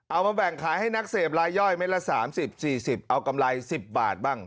เอามาแบ่งขายให้นักเสพลายย่อยเม็ดละ๓๐๔๐เอากำไร๑๐บาทบ้าง